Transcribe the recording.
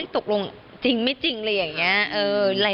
ตกลงจริงไม่จริงอะไรอย่างนี้